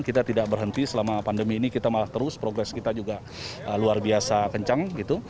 kita tidak berhenti selama pandemi ini kita malah terus progres kita juga luar biasa kencang gitu